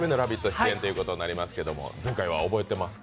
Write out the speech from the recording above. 出演ということになりますけど前回は覚えていますか？